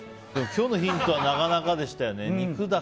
今日のヒントはなかなかでしたよね。